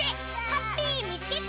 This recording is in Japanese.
ハッピーみつけた！